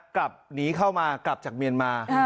กลับหนีเข้ามากลับจากเมียนมา